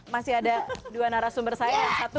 masih ada dua narasumber saya yang satu